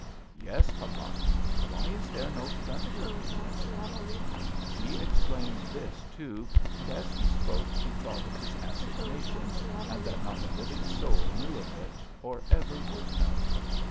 "Yes, papa. Why is there no thunder in winter?" He explained this too, and as he spoke he thought of his assignation, and that not a living soul knew of it, or ever would know.